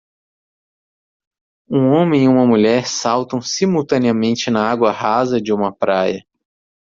Um homem e uma mulher saltam simultaneamente na água rasa de uma praia.